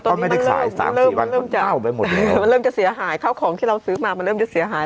ตอนนี้มันเริ่มจะเสียหายเขาของที่เราซื้อมามันเริ่มจะเสียหาย